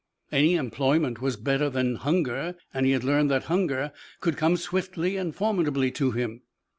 Any employment was better than hunger and he had learned that hunger could come swiftly and formidably to him.